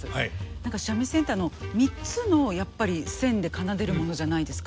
何か三味線ってあの３つのやっぱり線で奏でるものじゃないですか。